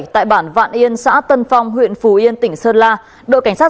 tại bản vạn yên xã tân phong huyện phù yên tỉnh sơn la đội cảnh sát